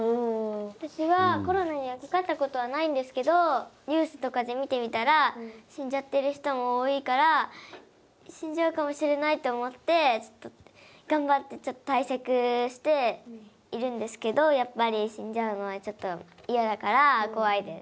私はコロナにはかかったことはないんですけどニュースとかで見てみたら死んじゃってる人も多いから死んじゃうかもしれないって思って頑張ってちょっと対策しているんですけどやっぱり死んじゃうのはちょっと嫌だから怖いです。